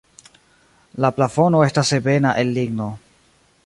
La plafono estas ebena el ligno.